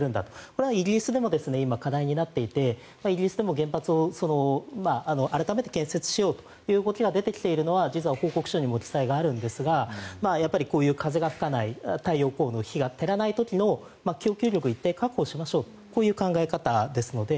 これはイギリスでも今、課題になっていてイギリスでも原発を改めて建設しようという動きが出てきているのは実は報告書にもお伝えがあるんですがやっぱり、こういう風が吹かない太陽光の日が照らない時の供給力をいったん確保しましょうというこういう考え方ですので。